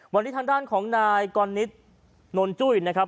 วันนี้ทางด้านของนายกรนิษฐ์นวลจุ้ยนะครับ